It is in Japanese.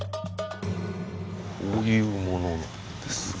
こういうものなんですが。